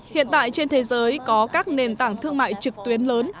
hiện tại trên thế giới có các nền tảng thương mại trực tuyến lớn